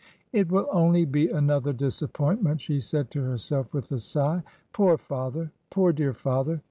"It will only be another disappointment," she said to herself, with a sigh. "Poor father, poor dear father!